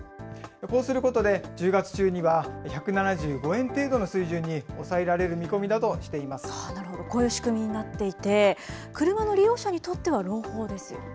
こうすることで、１０月中には１７５円程度の水準に抑えられる見込みだとしていまなるほど、こういう仕組みになっていて、車の利用者にとっては朗報ですよね。